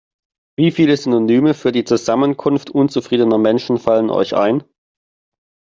Wie viele Synonyme für die Zusammenkunft unzufriedener Menschen fallen euch ein?